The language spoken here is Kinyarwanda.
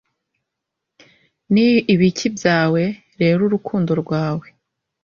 Ni ibiki byawe rero urukundo rwawe